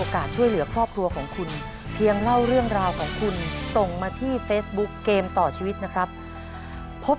ขอบคุณครับ